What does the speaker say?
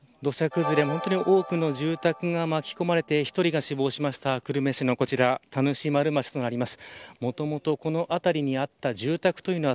土砂崩れ、本当に多くの住宅が巻き込まれて、１人が死亡しました久留米市のこちら田主丸町となります。